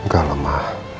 gak lah ma